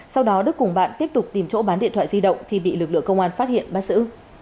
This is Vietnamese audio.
sau đó đức cùng bạn tiếp tục tìm chỗ bán điện thoại di động thì bị lực lượng công an phát hiện bắt giữ